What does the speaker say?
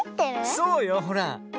そうよほら。